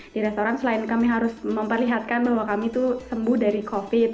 di restoran selain kami harus memperlihatkan bahwa kami itu sembuh dari covid